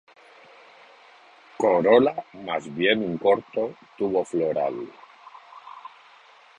Corola más bien un corto tubo floral.